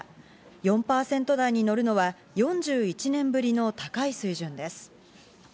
４％台に乗るのは４１年ぶりの高い水準です。